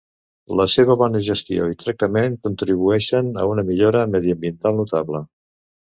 La seva bona gestió i tractament contribueixen a una millora mediambiental notable.